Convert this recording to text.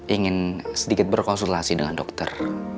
ingin sedikit berkonsultasi dengan dokter